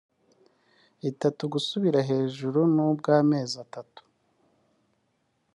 itatu gusubiza hejuru ndetse n’ubw’mezi atatu